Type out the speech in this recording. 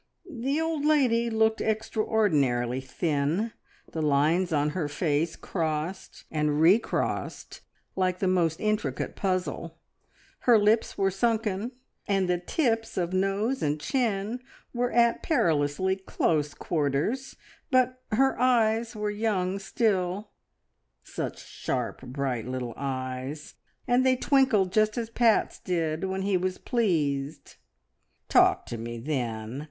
The old lady looked extraordinarily thin; the lines on her face crossed and re crossed like the most intricate puzzle, her lips were sunken, and the tips of nose and chin were at perilously close quarters, but her eyes were young still, such sharp, bright little eyes, and they twinkled just as Pat's did when he was pleased. "Talk to me, then.